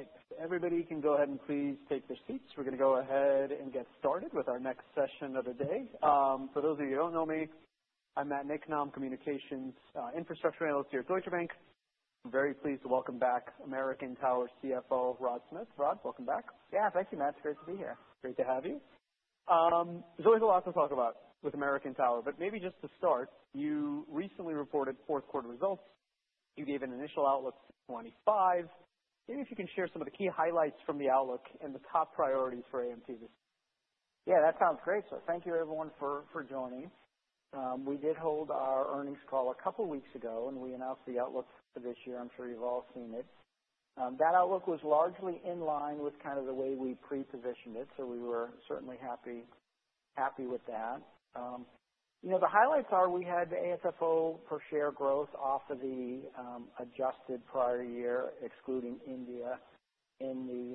All right. Everybody can go ahead and please take their seats. We're gonna go ahead and get started with our next session of the day. For those of you who don't know me, I'm Matt Niknam, North American Communications, Infrastructure Analyst here at Deutsche Bank. I'm very pleased to welcome back American Tower CFO Rod Smith. Rod, welcome back. Yeah, thank you, Matt. It's great to be here. Great to have you. There's always a lot to talk about with American Tower. But maybe just to start, you recently reported fourth quarter results. You gave an initial outlook for twenty-five. Maybe if you can share some of the key highlights from the outlook and the top priorities for AMT this year. Yeah, that sounds great, so thank you, everyone, for joining. We did hold our earnings call a couple weeks ago, and we announced the outlook for this year. I'm sure you've all seen it. That outlook was largely in line with kind of the way we pre-positioned it, so we were certainly happy with that. You know, the highlights are we had the AFFO per share growth off of the adjusted prior year, excluding India, in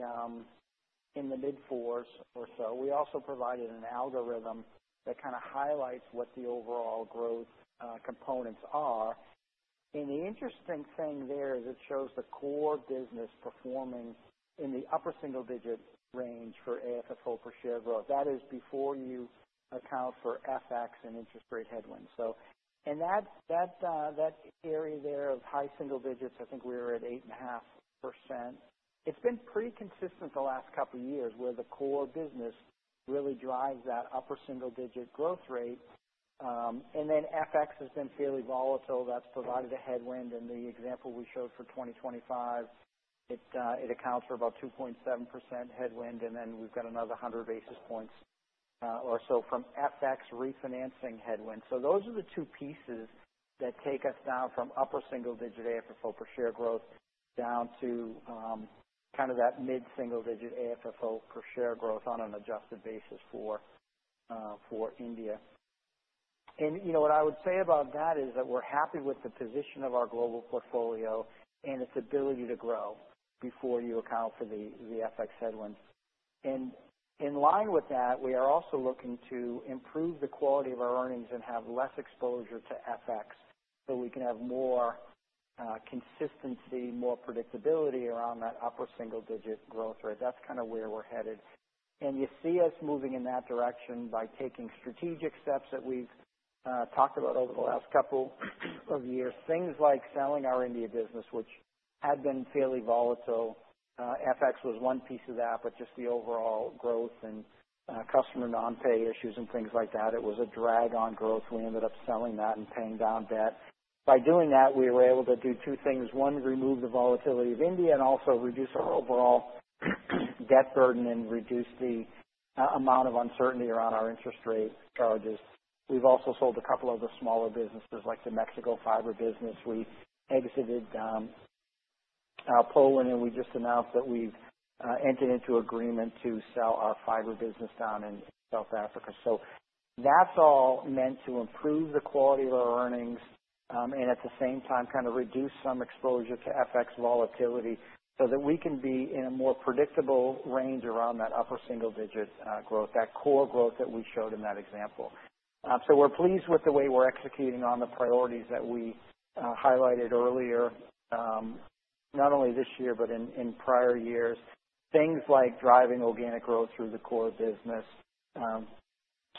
the mid-fours or so. We also provided an algorithm that kinda highlights what the overall growth components are. The interesting thing there is it shows the core business performing in the upper single-digit range for AFFO per share growth. That is before you account for FX and interest rate headwinds. In that area there of high single digits, I think we were at 8.5%. It's been pretty consistent the last couple years where the core business really drives that upper single-digit growth rate. And then FX has been fairly volatile. That's provided a headwind. And the example we showed for 2025, it accounts for about 2.7% headwind. And then we've got another 100 basis points, or so from FX refinancing headwind. So those are the two pieces that take us down from upper single-digit AFFO per share growth down to, kind of that mid-single-digit AFFO per share growth on an adjusted basis for India. And you know, what I would say about that is that we're happy with the position of our global portfolio and its ability to grow before you account for the FX headwind. And in line with that, we are also looking to improve the quality of our earnings and have less exposure to FX so we can have more consistency, more predictability around that upper single-digit growth rate. That's kinda where we're headed. And you see us moving in that direction by taking strategic steps that we've talked about over the last couple of years, things like selling our India business, which had been fairly volatile. FX was one piece of that, but just the overall growth and customer non-pay issues and things like that. It was a drag on growth. We ended up selling that and paying down debt. By doing that, we were able to do two things. One, remove the volatility of India and also reduce our overall debt burden and reduce the amount of uncertainty around our interest rate charges. We've also sold a couple of the smaller businesses like the Mexico fiber business. We exited Poland, and we just announced that we've entered into agreement to sell our fiber business down in South Africa. So that's all meant to improve the quality of our earnings, and at the same time kinda reduce some exposure to FX volatility so that we can be in a more predictable range around that upper single-digit growth, that core growth that we showed in that example. So we're pleased with the way we're executing on the priorities that we highlighted earlier, not only this year but in prior years, things like driving organic growth through the core business,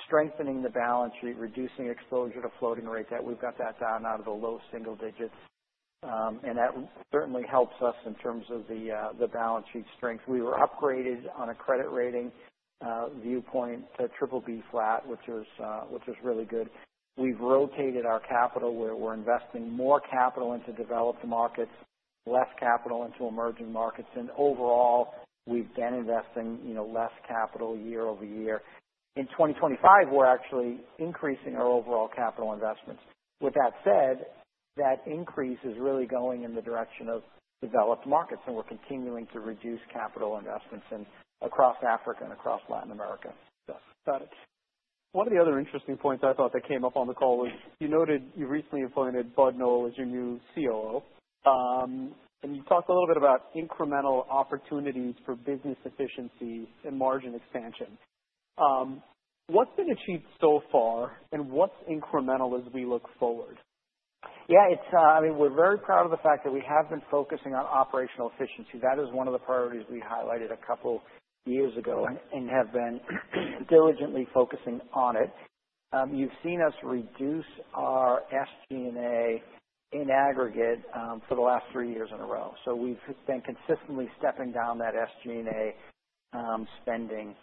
strengthening the balance sheet, reducing exposure to floating rate, that we've got that down out of the low single digits. And that certainly helps us in terms of the balance sheet strength. We were upgraded on a credit rating, viewpoint to BBB flat, which was really good. We've rotated our capital where we're investing more capital into developed markets, less capital into emerging markets, and overall, we've been investing, you know, less capital year over year. In twenty twenty-five, we're actually increasing our overall capital investments. With that said, that increase is really going in the direction of developed markets, and we're continuing to reduce capital investments across Africa and across Latin America. Got it. One of the other interesting points I thought that came up on the call was you noted you recently appointed Bud Noel as your new COO, and you talked a little bit about incremental opportunities for business efficiency and margin expansion. What's been achieved so far, and what's incremental as we look forward? Yeah, it's. I mean, we're very proud of the fact that we have been focusing on operational efficiency. That is one of the priorities we highlighted a couple years ago and have been diligently focusing on it. You've seen us reduce our SG&A in aggregate, for the last three years in a row. So we've been consistently stepping down that SG&A spending.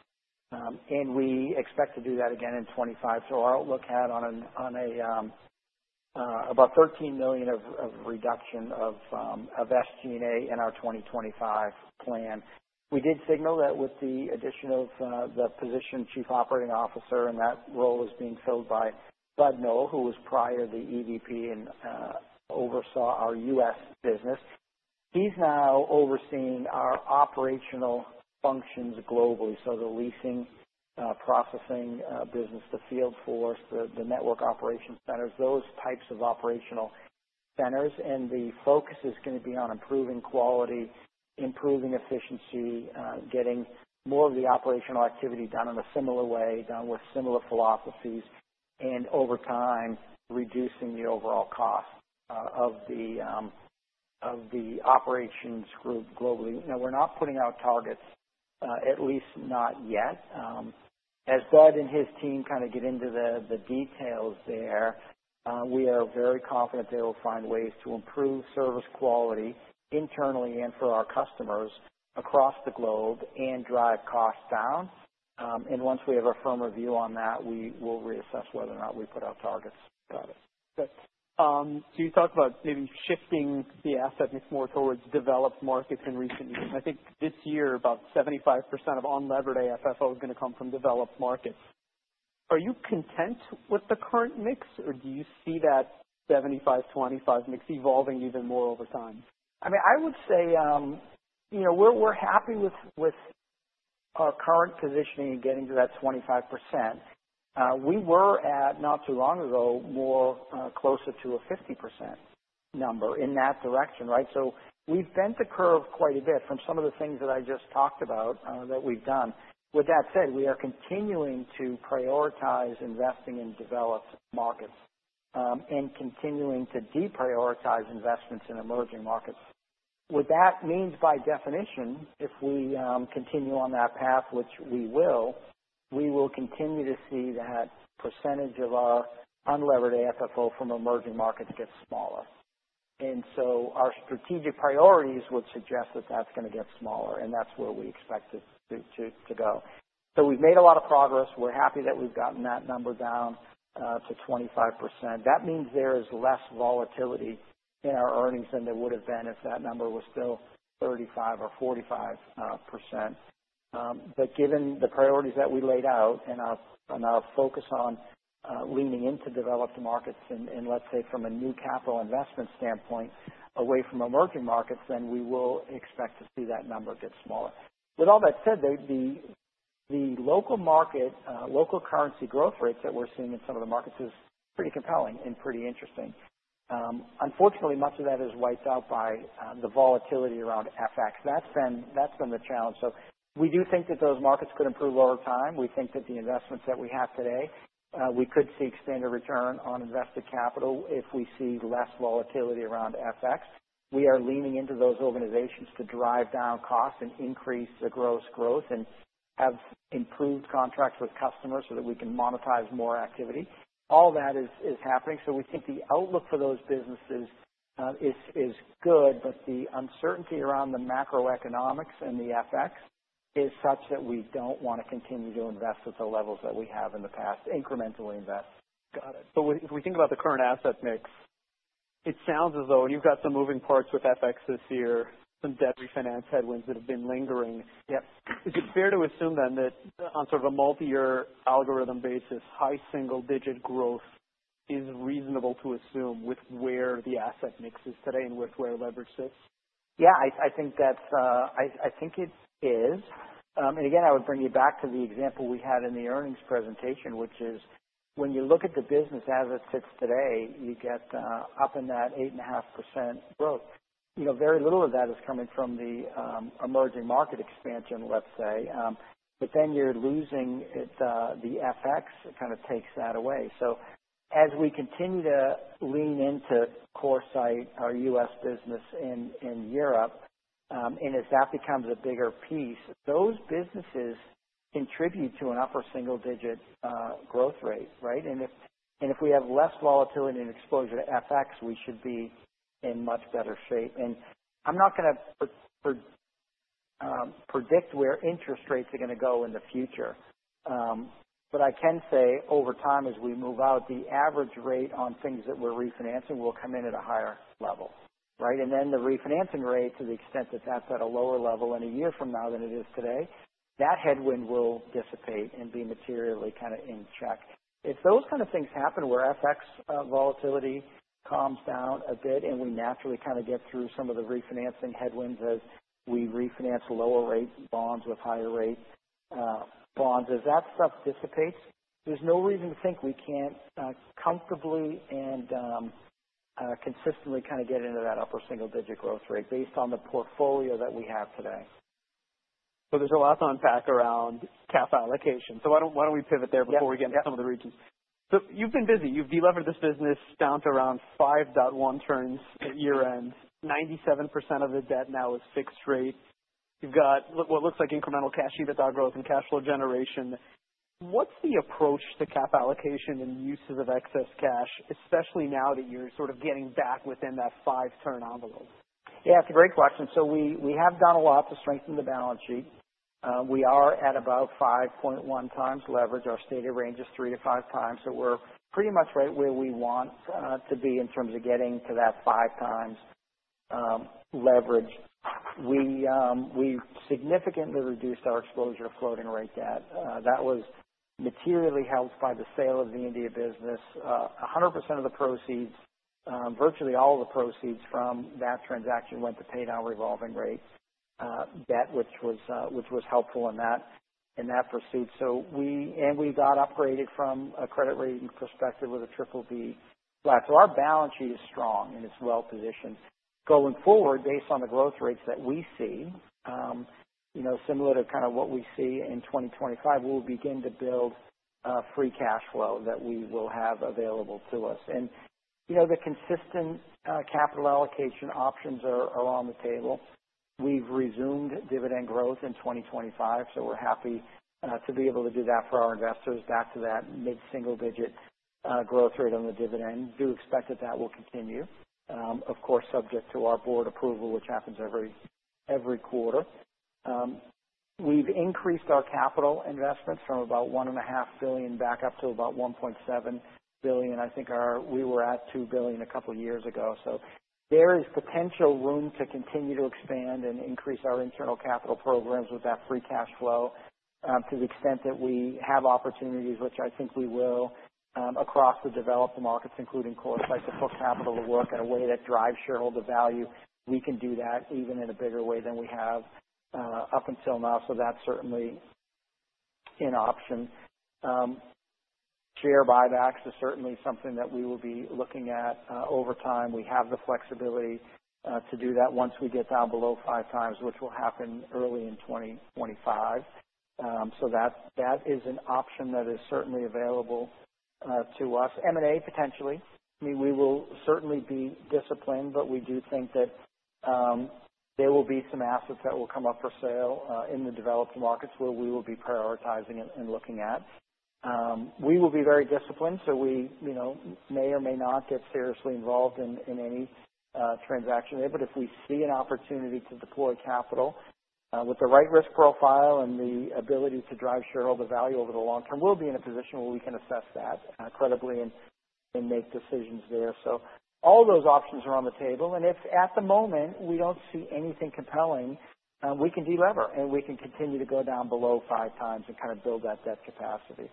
And we expect to do that again in 2025. So our outlook has about $13 million of a reduction of SG&A in our 2025 plan. We did signal that with the addition of the position of Chief Operating Officer, and that role is being filled by Bud Noel, who was previously the EVP and oversaw our U.S. business. He's now overseeing our operational functions globally. So the leasing processing business, the field force, the network operation centers, those types of operational centers. And the focus is gonna be on improving quality, improving efficiency, getting more of the operational activity done in a similar way, done with similar philosophies, and over time reducing the overall cost of the operations group globally. Now, we're not putting out targets, at least not yet. As Bud and his team kinda get into the details there, we are very confident they will find ways to improve service quality internally and for our customers across the globe and drive costs down. And once we have a firm review on that, we will reassess whether or not we put out targets. Got it. Good. So you talked about maybe shifting the asset mix more towards developed markets in recent years. I think this year about 75% of unlevered AFFO is gonna come from developed markets. Are you content with the current mix, or do you see that 75-25 mix evolving even more over time? I mean, I would say, you know, we're happy with our current positioning and getting to that 25%. We were at not too long ago more closer to a 50% number in that direction, right? So we've bent the curve quite a bit from some of the things that I just talked about, that we've done. With that said, we are continuing to prioritize investing in developed markets, and continuing to deprioritize investments in emerging markets. What that means by definition, if we continue on that path, which we will, we will continue to see that percentage of our unlevered AFFO from emerging markets get smaller. And so our strategic priorities would suggest that that's gonna get smaller, and that's where we expect it to go. So we've made a lot of progress. We're happy that we've gotten that number down to 25%. That means there is less volatility in our earnings than there would have been if that number was still 35% or 45%. But given the priorities that we laid out and our focus on leaning into developed markets and let's say from a new capital investment standpoint away from emerging markets, then we will expect to see that number get smaller. With all that said, the local market local currency growth rates that we're seeing in some of the markets is pretty compelling and pretty interesting. Unfortunately, much of that is wiped out by the volatility around FX. That's been the challenge. So we do think that those markets could improve over time. We think that the investments that we have today, we could see extended return on invested capital if we see less volatility around FX. We are leaning into those organizations to drive down costs and increase the gross growth and have improved contracts with customers so that we can monetize more activity. All that is happening so we think the outlook for those businesses is good, but the uncertainty around the macroeconomics and the FX is such that we don't wanna continue to invest at the levels that we have in the past, incrementally invest. Got it. So if we think about the current asset mix, it sounds as though you've got some moving parts with FX this year, some debt refinance headwinds that have been lingering. Yep. Is it fair to assume then that on sort of a multi-year horizon basis, high single-digit growth is reasonable to assume with where the asset mix is today and with where leverage sits? Yeah, I think it is. And again, I would bring you back to the example we had in the earnings presentation, which is when you look at the business as it sits today, you get up in that 8.5% growth. You know, very little of that is coming from the emerging market expansion, let's say. But then you're losing it; the FX kinda takes that away. So as we continue to lean into CoreSite, our U.S. business in Europe, and as that becomes a bigger piece, those businesses contribute to an upper single-digit growth rate, right? And if we have less volatility and exposure to FX, we should be in much better shape. And I'm not gonna predict where interest rates are gonna go in the future. But I can say over time as we move out, the average rate on things that we're refinancing will come in at a higher level, right? And then the refinancing rate, to the extent that that's at a lower level in a year from now than it is today, that headwind will dissipate and be materially kinda in check. If those kinda things happen where FX volatility calms down a bit and we naturally kinda get through some of the refinancing headwinds as we refinance lower rate bonds with higher rate bonds, as that stuff dissipates, there's no reason to think we can't comfortably and consistently kinda get into that upper single-digit growth rate based on the portfolio that we have today. There's a lot to unpack around cap allocation. Why don't we pivot there before we get into some of the regions? Yeah. So you've been busy. You've delevered this business down to around 5.1 turns at year-end. 97% of the debt now is fixed rate. You've got what looks like incremental cash EBITDA growth and cash flow generation. What's the approach to capital allocation and uses of excess cash, especially now that you're sort of getting back within that five-turn envelope? Yeah, it's a great question. So we have done a lot to strengthen the balance sheet. We are at about 5.1 times leverage. Our stated range is three to five times, so we're pretty much right where we want to be in terms of getting to that five times leverage. We significantly reduced our exposure to floating rate debt. That was materially helped by the sale of the India business. 100% of the proceeds, virtually all the proceeds from that transaction went to pay down floating rate debt, which was helpful in that pursuit. We got upgraded from a credit rating perspective with a BBB flat. Our balance sheet is strong and it's well positioned. Going forward, based on the growth rates that we see, you know, similar to kinda what we see in 2025, we'll begin to build free cash flow that we will have available to us. And, you know, the consistent capital allocation options are on the table. We've resumed dividend growth in 2025, so we're happy to be able to do that for our investors, back to that mid-single-digit growth rate on the dividend. Do expect that that will continue, of course, subject to our board approval, which happens every quarter. We've increased our capital investments from about $1.5 billion back up to about $1.7 billion. I think we were at $2 billion a couple years ago. So there is potential room to continue to expand and increase our internal capital programs with that free cash flow, to the extent that we have opportunities, which I think we will, across the developed markets, including CoreSite, to put capital to work in a way that drives shareholder value. We can do that even in a bigger way than we have up until now. So that's certainly an option. Share buybacks is certainly something that we will be looking at over time. We have the flexibility to do that once we get down below five times, which will happen early in 2025. So that is an option that is certainly available to us M&A potentially. I mean, we will certainly be disciplined, but we do think that there will be some assets that will come up for sale in the developed markets where we will be prioritizing and looking at. We will be very disciplined, so we, you know, may or may not get seriously involved in any transaction there. But if we see an opportunity to deploy capital with the right risk profile and the ability to drive shareholder value over the long term, we'll be in a position where we can assess that credibly and make decisions there. So all those options are on the table. And if at the moment we don't see anything compelling, we can delever and we can continue to go down below five times and kinda build that debt capacity.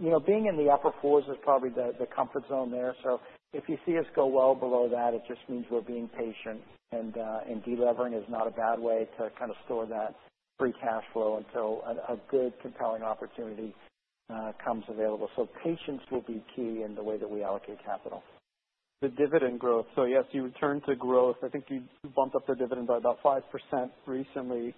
You know, being in the upper fours is probably the comfort zone there. So if you see us go well below that, it just means we're being patient and delevering is not a bad way to kinda store that free cash flow until a good compelling opportunity comes available. So patience will be key in the way that we allocate capital. The dividend growth. So yes, you returned to growth. I think you, you bumped up the dividend by about 5% recently.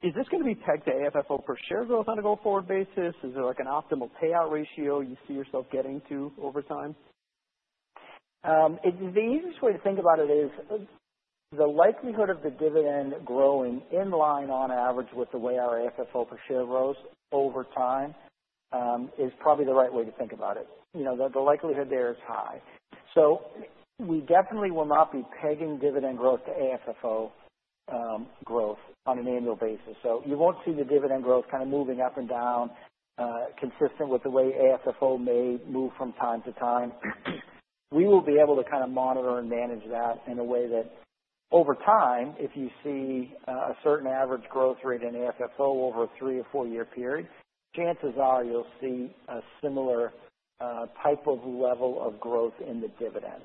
Is this gonna be pegged to AFFO per share growth on a go-forward basis? Is there like an optimal payout ratio you see yourself getting to over time? It's the easiest way to think about it is the likelihood of the dividend growing in line on average with the way our AFFO per share grows over time, is probably the right way to think about it. You know, the likelihood there is high. So we definitely will not be pegging dividend growth to AFFO growth on an annual basis. So you won't see the dividend growth kinda moving up and down, consistent with the way AFFO may move from time to time. We will be able to kinda monitor and manage that in a way that over time, if you see a certain average growth rate in AFFO over a three- or four-year period, chances are you'll see a similar type of level of growth in the dividend,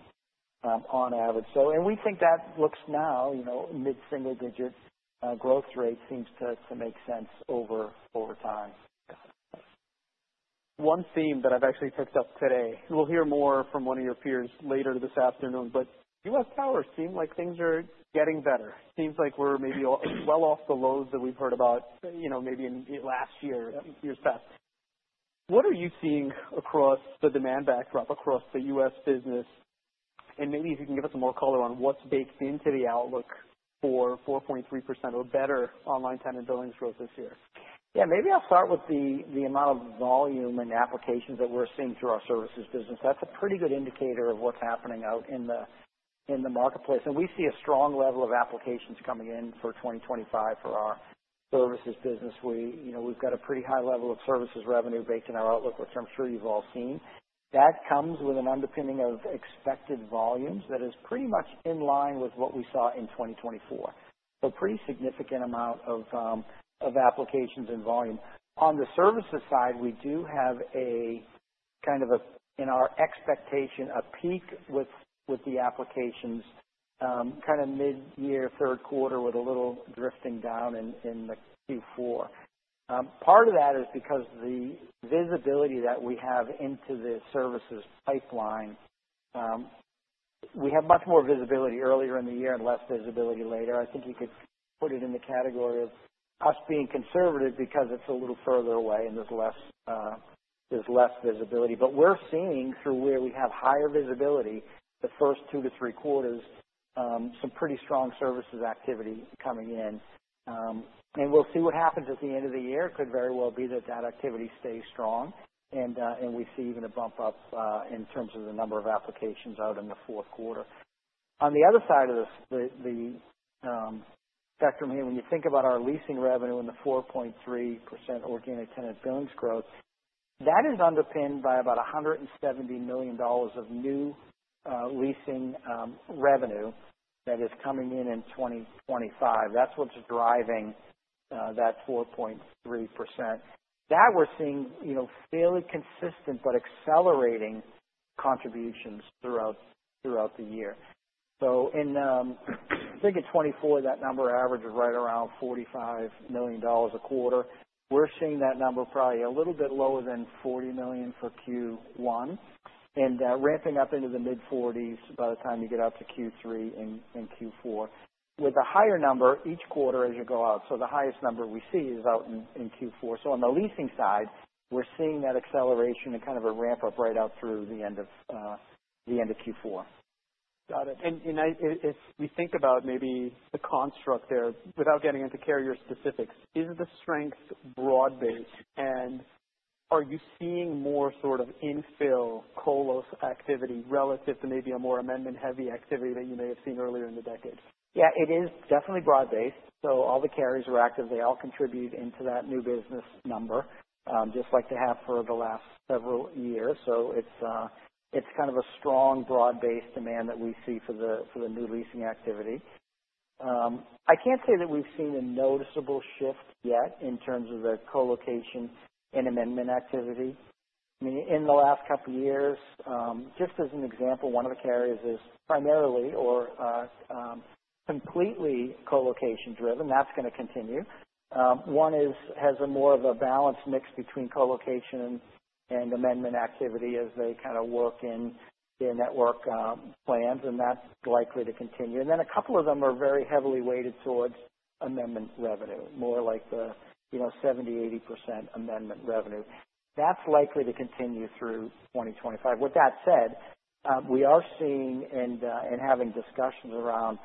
on average. We think that looks now, you know, mid-single-digit growth rate seems to make sense over time. Got it. One theme that I've actually picked up today. We'll hear more from one of your peers later this afternoon, but U.S. towers seem like things are getting better. Seems like we're maybe well off the lows that we've heard about, you know, maybe in last year, years past. What are you seeing across the demand backdrop across the U.S. business? And maybe if you can give us some more color on what's baked into the outlook for 4.3% or better organic tenant billings growth this year? Yeah, maybe I'll start with the amount of volume and applications that we're seeing through our services business. That's a pretty good indicator of what's happening out in the marketplace. And we see a strong level of applications coming in for 2025 for our services business. We, you know, we've got a pretty high level of services revenue baked in our outlook, which I'm sure you've all seen. That comes with an underpinning of expected volumes that is pretty much in line with what we saw in 2024. So pretty significant amount of applications and volume. On the services side, we do have a kind of a, in our expectation, a peak with the applications, kinda mid-year, third quarter with a little drifting down in the Q4. Part of that is because the visibility that we have into the services pipeline, we have much more visibility earlier in the year and less visibility later. I think you could put it in the category of us being conservative because it's a little further away and there's less visibility. But we're seeing, through where we have higher visibility, the first two to three quarters, some pretty strong services activity coming in. And we'll see what happens at the end of the year. It could very well be that that activity stays strong and we see even a bump up in terms of the number of applications out in the fourth quarter. On the other side of this, the spectrum here, when you think about our leasing revenue and the 4.3% organic tenant billings growth, that is underpinned by about $170 million of new leasing revenue that is coming in in 2025. That's what's driving that 4.3%. That we're seeing, you know, fairly consistent but accelerating contributions throughout the year. So in, I think, in 2024, that number averages right around $45 million a quarter. We're seeing that number probably a little bit lower than $40 million for Q1. And ramping up into the mid-forties by the time you get out to Q3 and Q4. With a higher number each quarter as you go out. So the highest number we see is out in Q4. So on the leasing side, we're seeing that acceleration and kind of a ramp up right out through the end of Q4. Got it. And as we think about maybe the construct there without getting into carrier specifics. Is the strength broad-based and are you seeing more sort of infill colos activity relative to maybe a more amendment-heavy activity that you may have seen earlier in the decade? Yeah, it is definitely broad-based. So all the carriers are active. They all contribute into that new business number, just like they have for the last several years. It's kind of a strong broad-based demand that we see for the new leasing activity. I can't say that we've seen a noticeable shift yet in terms of the colocation and amendment activity. I mean, in the last couple years, just as an example, one of the carriers is primarily or completely colocation driven. That's gonna continue. One has a more of a balanced mix between colocation and amendment activity as they kinda work in their network plans. And that's likely to continue. And then a couple of them are very heavily weighted towards amendment revenue, more like the, you know, 70%-80% amendment revenue. That's likely to continue through 2025. With that said, we are seeing and having discussions around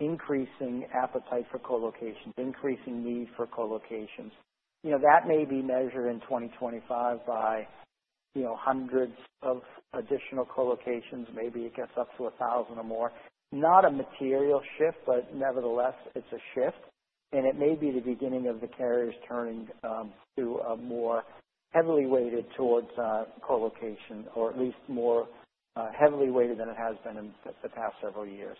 increasing appetite for colocation, increasing need for colocations. You know, that may be measured in 2025 by, you know, hundreds of additional colocations. Maybe it gets up to a thousand or more. Not a material shift, but nevertheless, it's a shift. And it may be the beginning of the carriers turning to a more heavily weighted towards colocation or at least more heavily weighted than it has been in the past several years.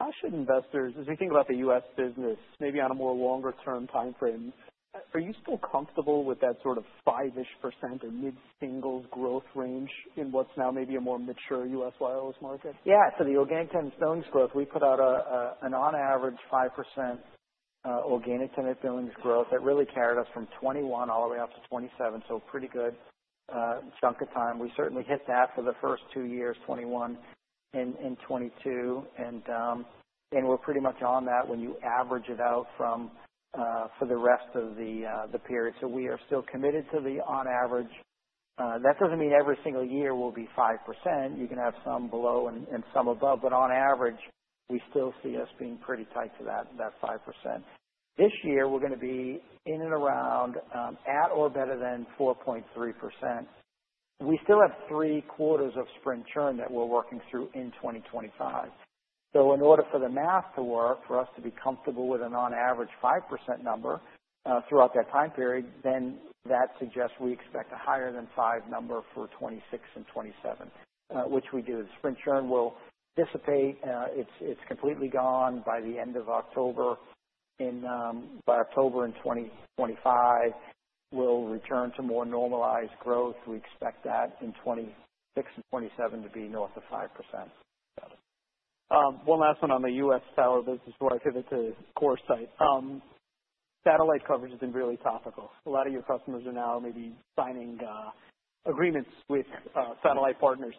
How should investors, as we think about the U.S. business, maybe on a more longer-term timeframe, are you still comfortable with that sort of five-ish% or mid-singles% growth range in what's now maybe a more mature U.S. wireless market? Yeah. So the organic tenant billings growth, we put out an on average 5% organic tenant billings growth that really carried us from 2021 all the way up to 2027. So pretty good chunk of time. We certainly hit that for the first two years, 2021 and 2022. And we're pretty much on that when you average it out for the rest of the period. So we are still committed to the on average. That doesn't mean every single year will be 5%. You can have some below and some above. But on average, we still see us being pretty tight to that 5%. This year, we're gonna be in and around at or better than 4.3%. We still have three quarters of Sprint churn that we're working through in 2025. So in order for the math to work, for us to be comfortable with an on-average 5% number, throughout that time period, then that suggests we expect a higher than 5 number for 2026 and 2027, which we do. The Sprint churn will dissipate. It's completely gone by the end of October. By October in 2025, we'll return to more normalized growth. We expect that in 2026 and 2027 to be north of 5%. Got it. One last one on the U.S. Tower business before I pivot to CoreSite. Satellite coverage has been really topical. A lot of your customers are now maybe signing agreements with satellite partners.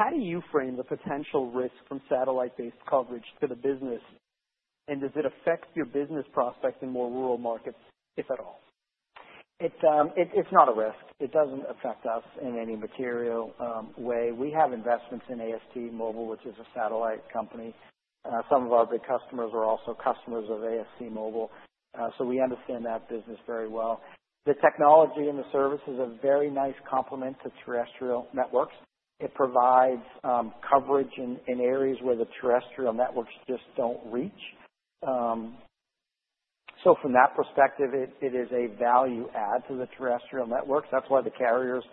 How do you frame the potential risk from satellite-based coverage to the business, and does it affect your business prospects in more rural markets, if at all? It's not a risk. It doesn't affect us in any material way. We have investments in AST SpaceMobile, which is a satellite company. Some of our big customers are also customers of AST SpaceMobile, so we understand that business very well. The technology and the service is a very nice complement to terrestrial networks. It provides coverage in areas where the terrestrial networks just don't reach, so from that perspective, it is a value add to the terrestrial network. That's why the carriers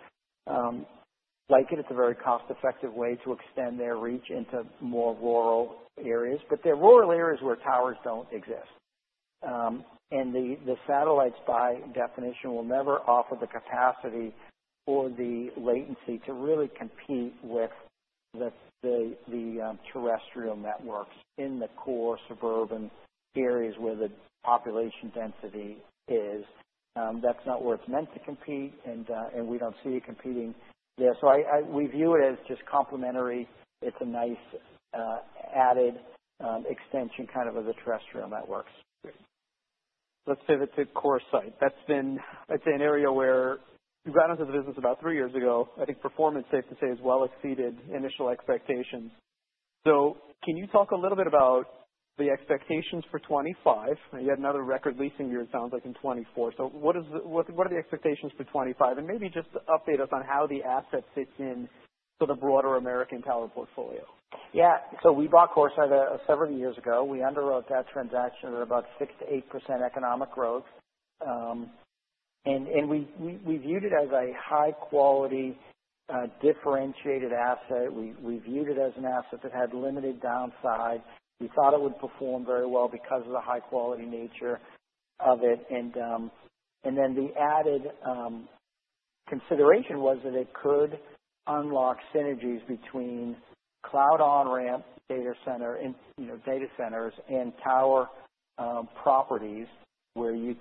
like it. It's a very cost-effective way to extend their reach into more rural areas. But they're rural areas where towers don't exist, and the satellites, by definition, will never offer the capacity or the latency to really compete with the terrestrial networks in the core suburban areas where the population density is. That's not where it's meant to compete. We don't see it competing there. We view it as just complementary. It's a nice added extension kind of the terrestrial networks. Great. Let's pivot to CoreSite. That's been. It's an area where you got into the business about three years ago. I think performance, safe to say, has well exceeded initial expectations. So can you talk a little bit about the expectations for 2025? You had another record leasing year, it sounds like, in 2024. So what are the expectations for 2025? And maybe just update us on how the asset fits into the broader American Tower portfolio. Yeah. So we bought CoreSite several years ago. We underwrote that transaction at about 6%-8% economic growth, and we viewed it as a high-quality, differentiated asset. We viewed it as an asset that had limited downside. We thought it would perform very well because of the high-quality nature of it, and then the added consideration was that it could unlock synergies between cloud on-ramp data center and, you know, data centers and tower properties where you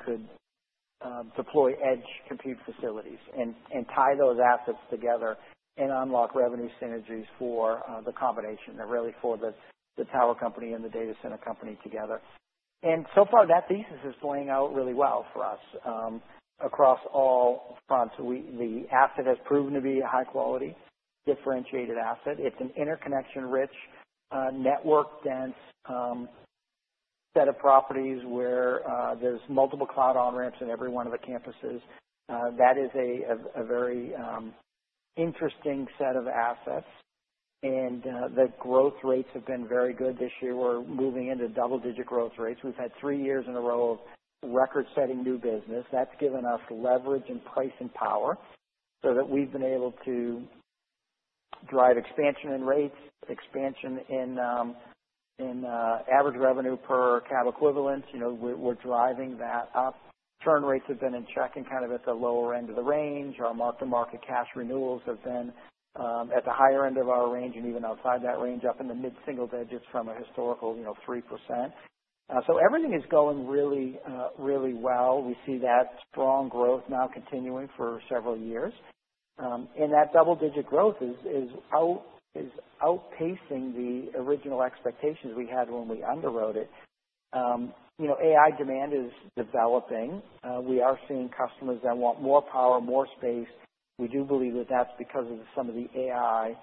could deploy edge compute facilities and tie those assets together and unlock revenue synergies for the combination, really, for the tower company and the data center company together. So far, that thesis is playing out really well for us, across all fronts. We. The asset has proven to be a high-quality, differentiated asset. It's an interconnection-rich, network-dense set of properties where there's multiple cloud on-ramps at every one of the campuses. That is a very interesting set of assets, and the growth rates have been very good this year. We're moving into double-digit growth rates. We've had three years in a row of record-setting new business. That's given us leverage and pricing power so that we've been able to drive expansion in rates, expansion in average revenue per cap equivalent. You know, we're driving that up. Turn rates have been in check and kind of at the lower end of the range. Our mark-to-market cash renewals have been at the higher end of our range and even outside that range, up in the mid-singles edges from a historical, you know, 3%, so everything is going really, really well. We see that strong growth now continuing for several years. And that double-digit growth is outpacing the original expectations we had when we underwrote it. You know, AI demand is developing. We are seeing customers that want more power, more space. We do believe that that's because of some of the AI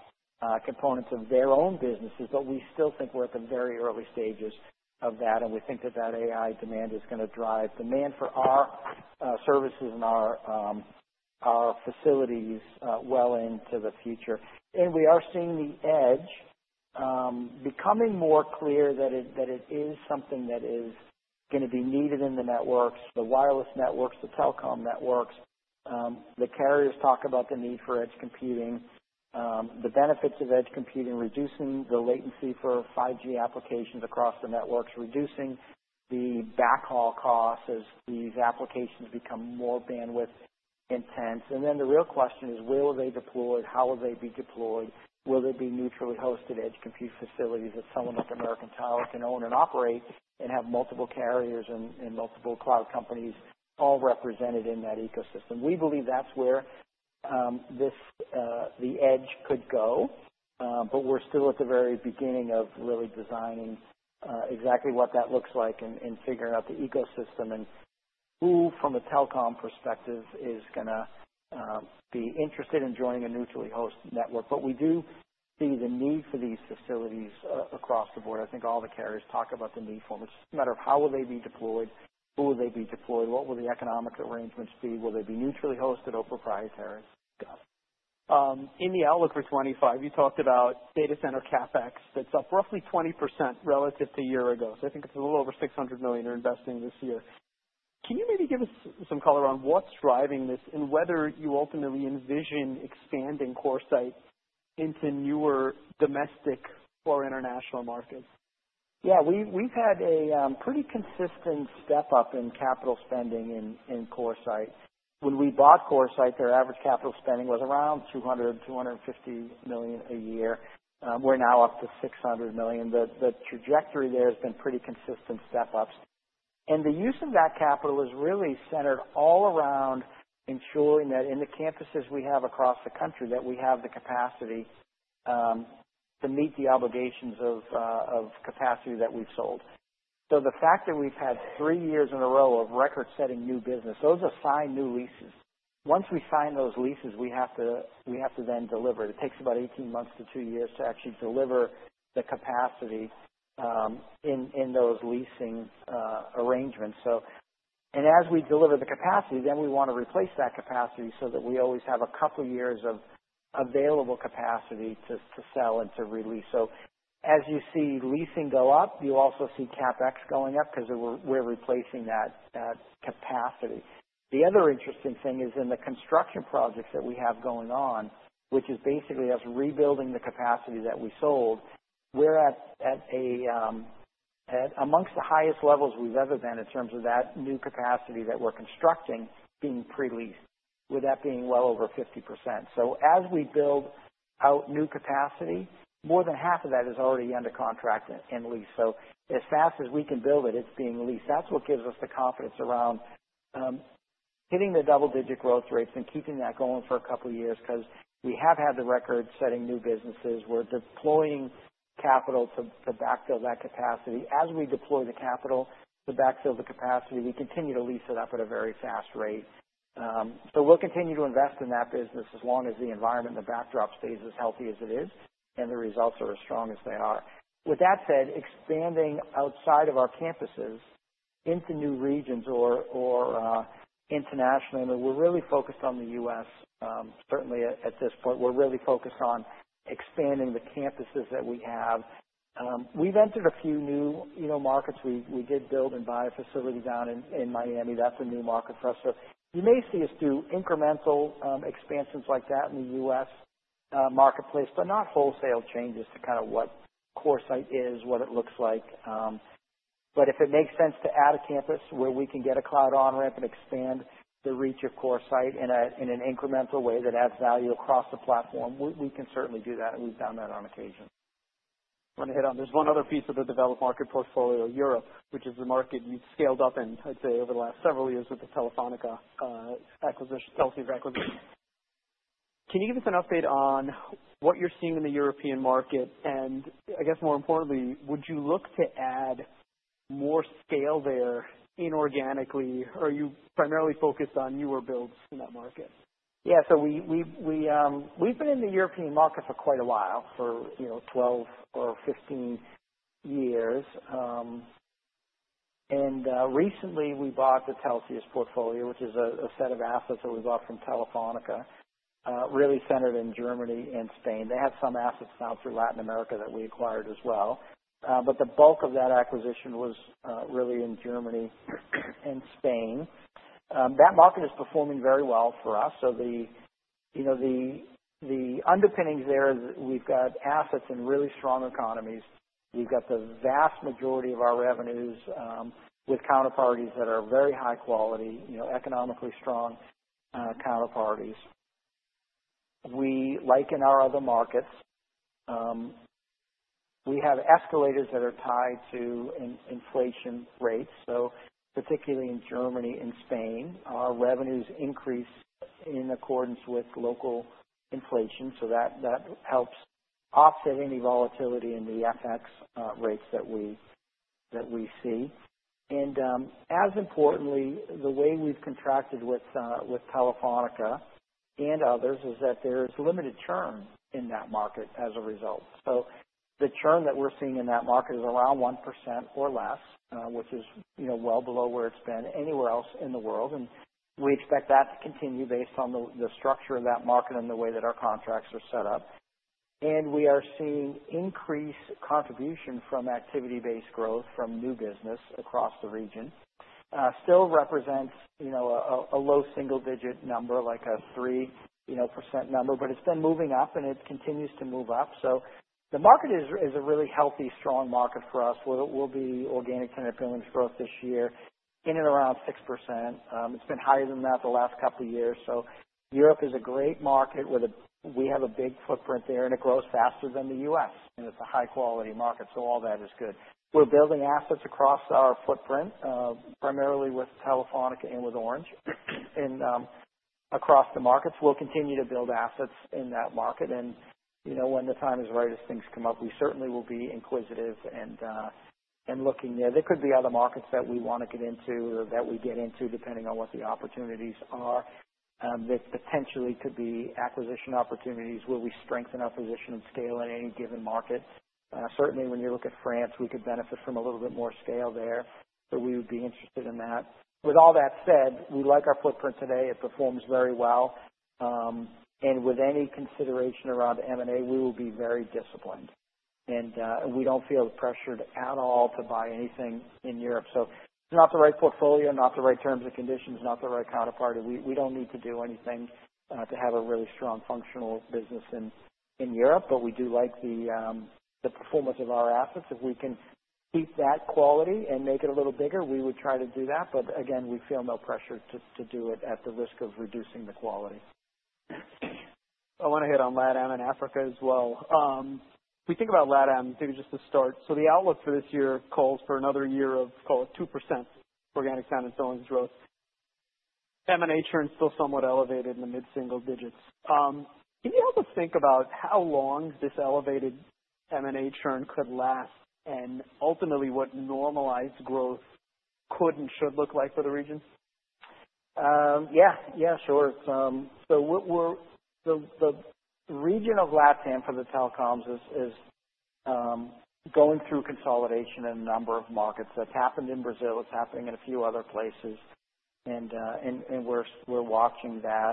components of their own businesses. But we still think we're at the very early stages of that. And we think that AI demand is gonna drive demand for our services and our facilities well into the future. And we are seeing the edge becoming more clear that it is something that is gonna be needed in the networks, the wireless networks, the telecom networks. The carriers talk about the need for edge computing, the benefits of edge computing, reducing the latency for 5G applications across the networks, reducing the backhaul costs as these applications become more bandwidth intense. And then the real question is, will they deploy? How will they be deployed? Will there be neutrally hosted edge compute facilities that someone like American Tower can own and operate and have multiple carriers and multiple cloud companies all represented in that ecosystem? We believe that's where the edge could go. But we're still at the very beginning of really designing exactly what that looks like and figuring out the ecosystem and who from a telecom perspective is gonna be interested in joining a neutrally hosted network. But we do see the need for these facilities across the board. I think all the carriers talk about the need for them. It's just a matter of how will they be deployed? Who will they be deployed? What will the economic arrangements be? Will they be neutrally hosted or proprietary? Got it. In the outlook for 2025, you talked about data center CapEx that's up roughly 20% relative to a year ago. So I think it's a little over $600 million you're investing this year. Can you maybe give us some color on what's driving this and whether you ultimately envision expanding CoreSite into newer domestic or international markets? Yeah. We've had a pretty consistent step up in capital spending in CoreSite. When we bought CoreSite, their average capital spending was around $200 million-$250 million a year. We're now up to $600 million. The trajectory there has been pretty consistent step ups. And the use of that capital is really centered all around ensuring that in the campuses we have across the country, that we have the capacity to meet the obligations of capacity that we've sold. So the fact that we've had three years in a row of record-setting new business, those are signed new leases. Once we sign those leases, we have to then deliver. It takes about eighteen months to two years to actually deliver the capacity in those leasing arrangements. So and as we deliver the capacity, then we wanna replace that capacity so that we always have a couple years of available capacity to sell and to release. So as you see leasing go up, you also see CapEx going up 'cause we're replacing that capacity. The other interesting thing is in the construction projects that we have going on, which is basically us rebuilding the capacity that we sold. We're amongst the highest levels we've ever been in terms of that new capacity that we're constructing being pre-leased, with that being well over 50%. So as we build out new capacity, more than half of that is already under contract and leased. So as fast as we can build it, it's being leased. That's what gives us the confidence around hitting the double-digit growth rates and keeping that going for a couple years 'cause we have had the record-setting new businesses. We're deploying capital to backfill that capacity. As we deploy the capital to backfill the capacity, we continue to lease it up at a very fast rate. So we'll continue to invest in that business as long as the environment, the backdrop stays as healthy as it is and the results are as strong as they are. With that said, expanding outside of our campuses into new regions or internationally, I mean, we're really focused on the U.S., certainly at this point. We're really focused on expanding the campuses that we have. We've entered a few new, you know, markets. We did build and buy a facility down in Miami. That's a new market for us. So you may see us do incremental expansions like that in the U.S. marketplace, but not wholesale changes to kind of what CoreSite is, what it looks like, but if it makes sense to add a campus where we can get a cloud on-ramp and expand the reach of CoreSite in an incremental way that adds value across the platform, we can certainly do that. And we've done that on occasion. to hit on there's one other piece of the developed market portfolio, Europe, which is the market you've scaled up in, I'd say, over the last several years with the Telefónica acquisition, Telxius acquisition. Can you give us an update on what you're seeing in the European market? And I guess more importantly, would you look to add more scale there inorganically, or are you primarily focused on newer builds in that market? Yeah. So we've been in the European market for quite a while, you know, 12 or 15 years. And recently we bought the Telxius's portfolio, which is a set of assets that we bought from Telefónica, really centered in Germany and Spain. They have some assets now through Latin America that we acquired as well. But the bulk of that acquisition was really in Germany and Spain. That market is performing very well for us. So you know, the underpinnings there is we've got assets in really strong economies. We've got the vast majority of our revenues with counterparties that are very high quality, you know, economically strong counterparties. Like in our other markets, we have escalators that are tied to inflation rates. So particularly in Germany and Spain, our revenues increase in accordance with local inflation. That helps offset any volatility in the FX rates that we see. And as importantly, the way we've contracted with Telefónica and others is that there is limited churn in that market as a result. So the churn that we're seeing in that market is around 1% or less, which is, you know, well below where it's been anywhere else in the world. And we expect that to continue based on the structure of that market and the way that our contracts are set up. And we are seeing increased contribution from activity-based growth from new business across the region. Still represents, you know, a low single-digit number, like a 3%, you know, percent number, but it's been moving up and it continues to move up. So the market is a really healthy, strong market for us. We'll be organic tenant billings growth this year in and around 6%. It's been higher than that the last couple years, so Europe is a great market where we have a big footprint there and it grows faster than the U.S., and it's a high-quality market, so all that is good. We're building assets across our footprint, primarily with Telefónica and with Orange and across the markets. We'll continue to build assets in that market, and you know, when the time is right as things come up, we certainly will be inquisitive and looking there. There could be other markets that we wanna get into or that we get into depending on what the opportunities are, that potentially could be acquisition opportunities where we strengthen our position and scale in any given market. Certainly when you look at France, we could benefit from a little bit more scale there. So we would be interested in that. With all that said, we like our footprint today. It performs very well. And with any consideration around M&A, we will be very disciplined. And we don't feel pressured at all to buy anything in Europe. So it's not the right portfolio, not the right terms and conditions, not the right counterparty. We don't need to do anything to have a really strong functional business in Europe. But we do like the performance of our assets. If we can keep that quality and make it a little bigger, we would try to do that. But again, we feel no pressure to do it at the risk of reducing the quality. I wanna hit on LATAM and Africa as well. We think about LATAM maybe just to start. So the outlook for this year calls for another year of, call it, 2% organic tenant billings growth. M&A churn's still somewhat elevated in the mid-single digits. Can you help us think about how long this elevated M&A churn could last and ultimately what normalized growth could and should look like for the region? Yeah. Sure. It's so the region of LATAM for the telecoms is going through consolidation in a number of markets. That's happened in Brazil. It's happening in a few other places, and we're watching that.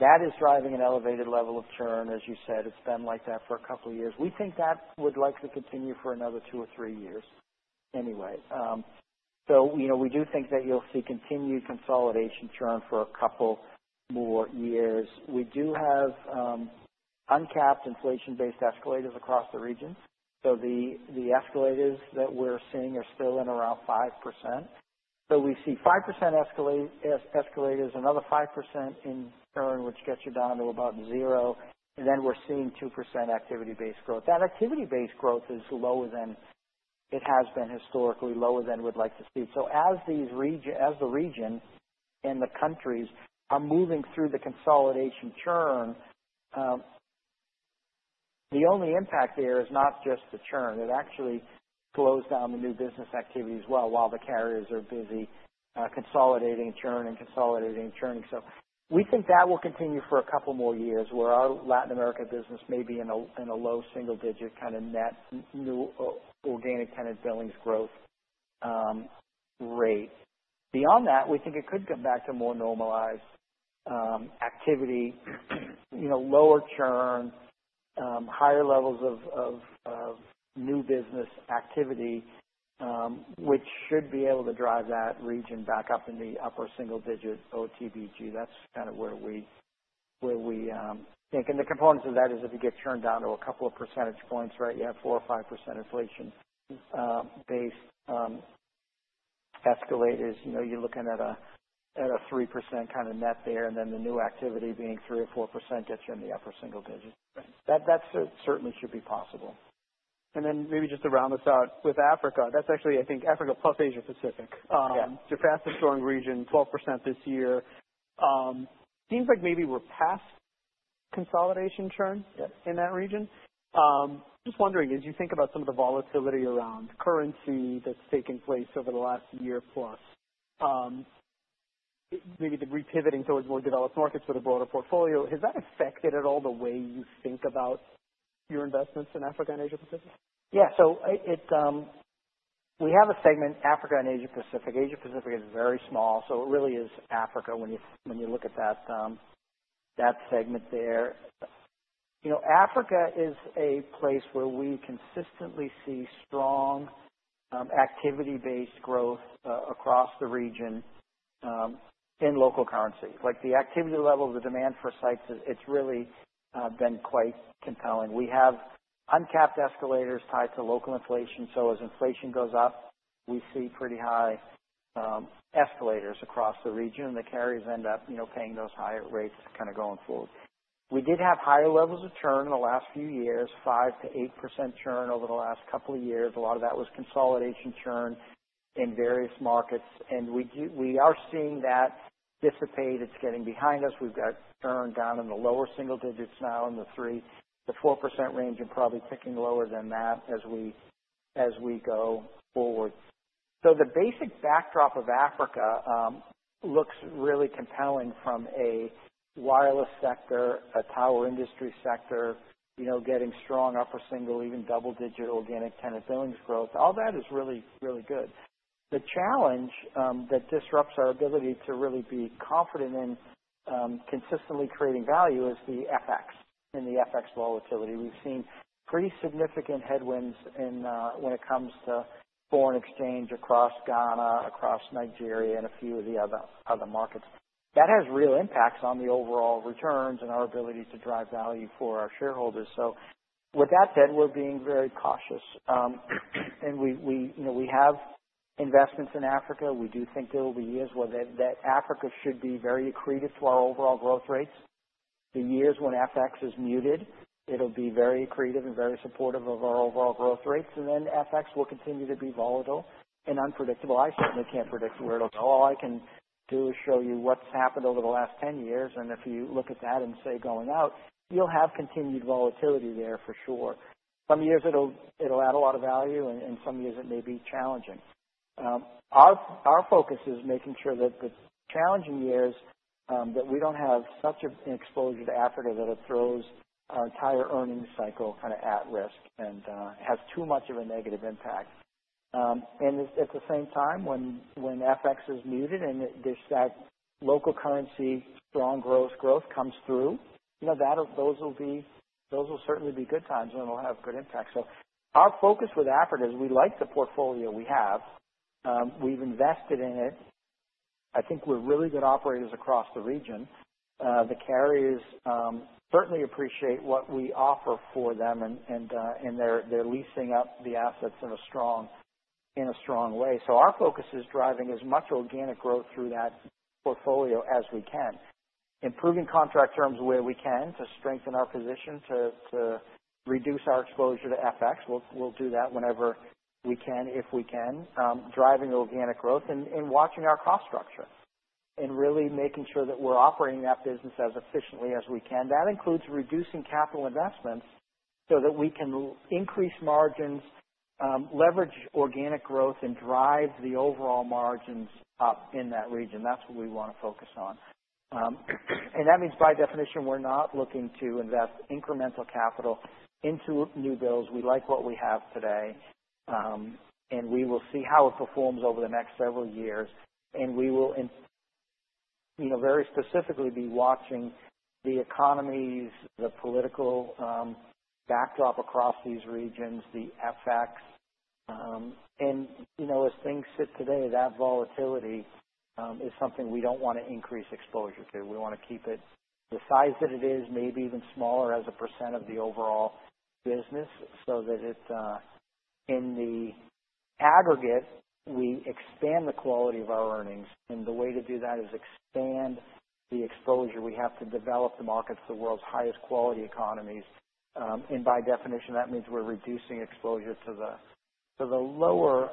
That is driving an elevated level of churn, as you said. It's been like that for a couple years. We think that would likely continue for another two or three years anyway. You know, we do think that you'll see continued consolidation churn for a couple more years. We do have uncapped inflation-based escalators across the regions. The escalators that we're seeing are still in around 5%. We see 5% escalators, another 5% in churn, which gets you down to about zero, and then we're seeing 2% activity-based growth. That activity-based growth is lower than it has been historically, lower than we'd like to see. So as these regions and the countries are moving through the consolidation churn, the only impact there is not just the churn. It actually slows down the new business activity as well while the carriers are busy, consolidating churn and consolidating churning. So we think that will continue for a couple more years where our Latin America business may be in a low single-digit kind of net new, organic tenant billings growth rate. Beyond that, we think it could come back to more normalized activity, you know, lower churn, higher levels of new business activity, which should be able to drive that region back up in the upper single-digit OTBG. That's kind of where we think. And the components of that is if you get churned down to a couple of percentage points, right. You have 4%-5% inflation-based escalators. You know, you're looking at a 3% kind of net there. And then the new activity being 3% or 4% gets you in the upper single digit. That certainly should be possible. And then maybe just to round this out with Africa, that's actually, I think, Africa plus Asia Pacific. Yeah. Japan's the strong region, 12% this year. Seems like maybe we're past consolidation churn. Yep. In that region, just wondering, as you think about some of the volatility around currency that's taken place over the last year plus, maybe the repivoting towards more developed markets with a broader portfolio, has that affected at all the way you think about your investments in Africa and Asia Pacific? Yeah. So, we have a segment, Africa and Asia Pacific. Asia Pacific is very small. So it really is Africa when you look at that segment there. You know, Africa is a place where we consistently see strong activity-based growth across the region in local currency. Like, the activity levels, the demand for sites is. It's really been quite compelling. We have uncapped escalators tied to local inflation. So as inflation goes up, we see pretty high escalators across the region. And the carriers end up, you know, paying those higher rates kinda going forward. We did have higher levels of churn in the last few years, 5%-8% churn over the last couple of years. A lot of that was consolidation churn in various markets. And we are seeing that dissipate. It's getting behind us. We've got churn down in the lower single digits now in the 3%-4% range and probably ticking lower than that as we go forward. So the basic backdrop of Africa looks really compelling from a wireless sector, a tower industry sector, you know, getting strong upper single- even double-digit organic tenant billings growth. All that is really, really good. The challenge that disrupts our ability to really be confident in consistently creating value is the FX and the FX volatility. We've seen pretty significant headwinds when it comes to foreign exchange across Ghana, across Nigeria, and a few of the other markets. That has real impacts on the overall returns and our ability to drive value for our shareholders. So with that said, we're being very cautious, and, you know, we have investments in Africa. We do think there will be years where that Africa should be very accretive to our overall growth rates. The years when FX is muted, it'll be very accretive and very supportive of our overall growth rates. And then FX will continue to be volatile and unpredictable. I certainly can't predict where it'll go. All I can do is show you what's happened over the last 10 years. And if you look at that and say going out, you'll have continued volatility there for sure. Some years it'll add a lot of value and some years it may be challenging. Our focus is making sure that the challenging years, that we don't have such a exposure to Africa that it throws our entire earnings cycle kinda at risk and has too much of a negative impact. And at the same time, when FX is muted and there's that local currency strong growth comes through, you know, those will certainly be good times and it'll have good impact. So our focus with Africa is we like the portfolio we have. We've invested in it. I think we're really good operators across the region. The carriers certainly appreciate what we offer for them. And they're leasing up the assets in a strong way. So our focus is driving as much organic growth through that portfolio as we can, improving contract terms where we can to strengthen our position to reduce our exposure to FX. We'll do that whenever we can, if we can, driving organic growth and watching our cost structure and really making sure that we're operating that business as efficiently as we can. That includes reducing capital investments so that we can increase margins, leverage organic growth, and drive the overall margins up in that region. That's what we wanna focus on, and that means by definition we're not looking to invest incremental capital into new builds. We like what we have today, and we will see how it performs over the next several years. We will, you know, very specifically be watching the economies, the political backdrop across these regions, the FX, and, you know, as things sit today, that volatility is something we don't wanna increase exposure to. We wanna keep it the size that it is, maybe even smaller as a % of the overall business so that, in the aggregate, we expand the quality of our earnings. And the way to do that is expand the exposure. We have to develop the markets to the world's highest quality economies, and by definition that means we're reducing exposure to the lower,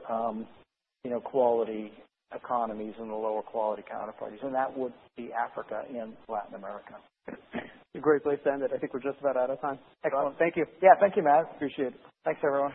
you know, quality economies and the lower quality counterparties, and that would be Africa and Latin America. It's a great place to end it. I think we're just about out of time. Excellent. Thank you. Yeah. Thank you, Matt. Appreciate it. Thanks, everyone.